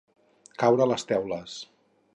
Caure les teules.